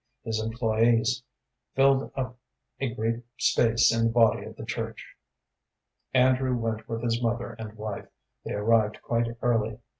His employés filled up a great space in the body of the church. Andrew went with his mother and wife. They arrived quite early.